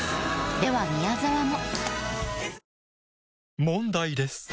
では宮沢も。